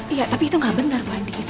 iya tapi itu gak bener bu andis